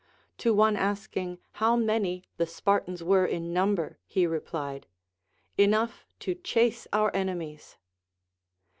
To one asking how many the Spartans Avere in number he replied. Enough to chase our enemies.